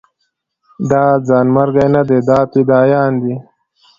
دا ځانمرګي نه دي دا فدايان دي.